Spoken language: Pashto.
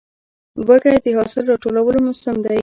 وږی د حاصل راټولو موسم دی.